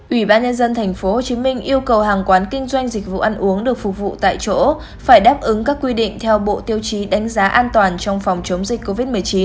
ubnd tp hồ chí minh yêu cầu hàng quán kinh doanh dịch vụ ăn uống được phục vụ tại chỗ phải đáp ứng các quy định theo bộ tiêu chí đánh giá an toàn trong phòng chống dịch covid một mươi chín